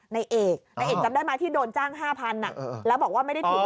ในเอกในเอกจำได้มาที่โดนจ้างห้าพันอ่ะแล้วบอกว่าไม่ได้ถูก